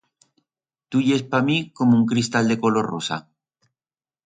Tu yes pa mi como un cristal de color de rosa.